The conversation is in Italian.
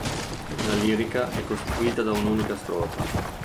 La lirica è costituita da un'unica strofa.